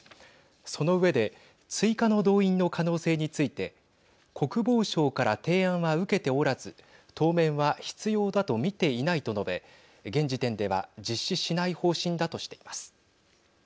その上で追加の動員の可能性について国防省から提案は受けておらず当面は必要だと見ていないと述べ現時点では実施しない方針だとしています。